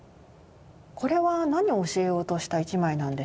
これは何を教えようとした一枚なんでしょうね？